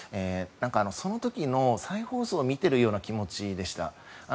その時の再放送を見ているような気持ちでした。